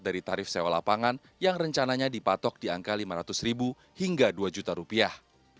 dari tarif sewa lapangan yang rencananya dipatok di angka lima ratus ribu hingga dua juta rupiah